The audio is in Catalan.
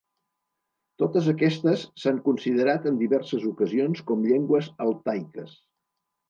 Totes aquestes s'han considerat en diverses ocasions com llengües altaiques.